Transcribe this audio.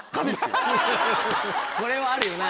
これはあるよな。